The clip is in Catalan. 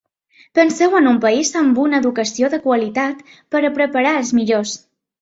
Penseu en un país amb una educació de qualitat per a preparar els millors.